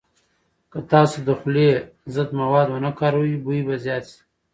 که تاسو د خولې ضد مواد ونه کاروئ، بوی به زیات شي.